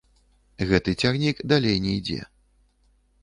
Гэты цягнік далей не ідзе.